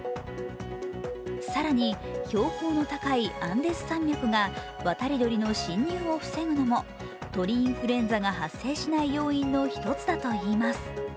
更に、標高の高いアンデス山脈が渡り鳥の侵入を防ぐのも鳥インフルエンザが発生しない要因の１つだといいます。